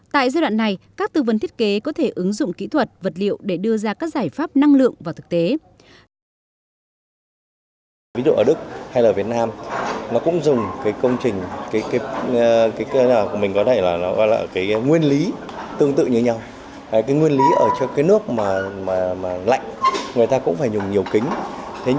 tại giai đoạn này các tư vấn thiết kế có thể ứng dụng kỹ thuật vật liệu để đưa ra các giải pháp năng lượng vào thực tế